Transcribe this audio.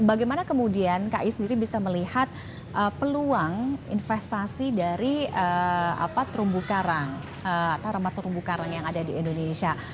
bagaimana kemudian kak i sendiri bisa melihat peluang investasi dari terumbu karang atau remah terumbu karang yang ada di indonesia